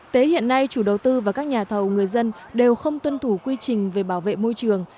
tế hiện nay chủ đầu tư và các nhà thầu người dân đều không tuân thủ quy trình về bảo vệ môi trường